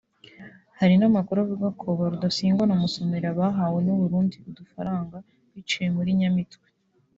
Hari n’amakuru avuga ko ba Rudasingwa na Musonera bahawe n’u Burundi udufaranga biciye muri Nyamitwe